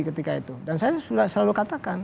ketika itu dan saya sudah selalu katakan